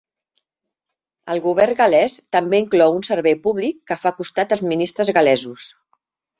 El govern gal·lès també inclou un servei públic que fa costat als ministres gal·lesos.